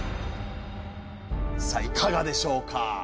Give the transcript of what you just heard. さあいかがでしょうか？